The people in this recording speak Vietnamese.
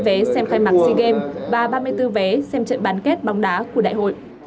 vé xem khai mạc sea games và ba mươi bốn vé xem trận bán kết bóng đá của đại hội